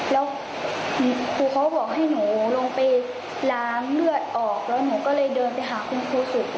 แล้วครูเขาบอกให้หนูลงไปล้างเลือดออกแล้วหนูก็เลยเดินไปหาคุณครูฝึก